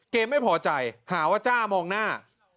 ไม่พอใจหาว่าจ้ามองหน้า